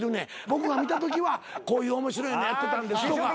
僕が見たときはこういう面白いのやってたんですよ。